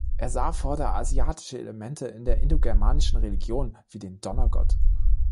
Er sah vorderasiatische Elemente in der indogermanischen Religion, wie den Donnergott.